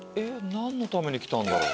何のために来たんだろう。